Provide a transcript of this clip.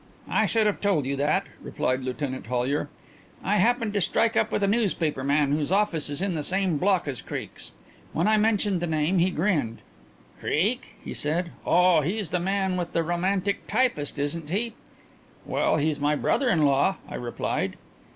"I should have told you that," replied Lieutenant Hollyer. "I happened to strike up with a newspaper man whose office is in the same block as Creake's. When I mentioned the name he grinned. 'Creake,' he said, 'oh, he's the man with the romantic typist, isn't he?' 'Well, he's my brother in law,' I replied.